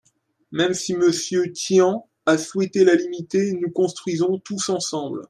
Même si Monsieur Tian a souhaité la limiter, nous construisons tous ensemble.